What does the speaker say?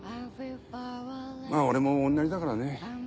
まぁ俺も同じだからね。